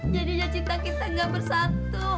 jadinya cinta kita gak bersatu